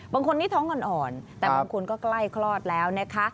บางคนนี้ท้องอ่อนแต่บางคนก็ใกล้คลอดแล้วนะคะ